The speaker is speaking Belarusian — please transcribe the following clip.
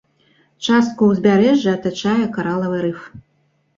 Частку ўзбярэжжа атачае каралавы рыф.